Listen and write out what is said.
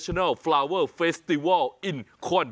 สุดยอดน้ำมันเครื่องจากญี่ปุ่น